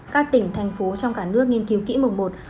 các tỉnh thành phố trong cả nước nghiên cứu kỹ mùng một